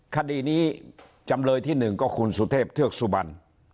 คดีนี้จำเลยที่๑ก็คุณสุเทพเทือกสุบัน